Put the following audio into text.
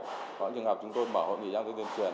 có những trường hợp chúng tôi mở hội nghị trong tuyên truyền